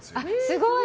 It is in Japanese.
すごい！